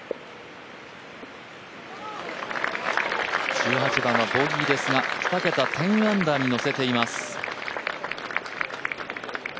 １８番はボギーですが２桁、１０アンダーにのせています。